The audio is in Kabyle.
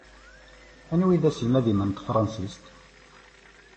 Anwa i d aselmad-im n tefransist?